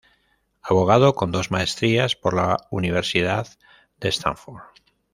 Abogado con dos maestrías por la Universidad de Stanford.